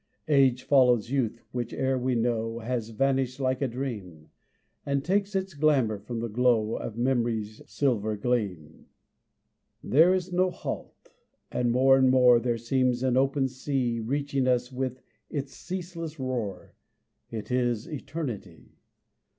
Age follows youth, which, ere we know, Has vanished like a dream, And takes its glamour from the glow Of mem'ry's silvery gleam. There is no halt; and more and more There seems an open sea Reaching us with its ceaseless roar It is eternity.